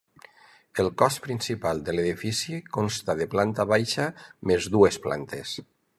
El cos principal de l'edifici consta de planta baixa més dues plantes.